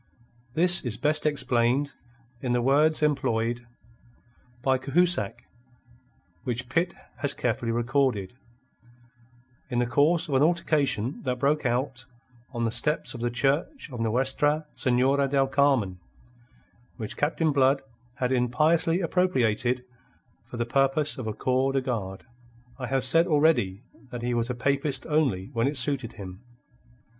This is best explained in the words employed by Cahusac which Pitt has carefully recorded in the course of an altercation that broke out on the steps of the Church of Nuestra Senora del Carmen, which Captain Blood had impiously appropriated for the purpose of a corps de garde. I have said already that he was a papist only when it suited him.